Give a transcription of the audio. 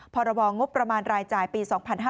พรบงบประมาณรายจ่ายปี๒๕๕๙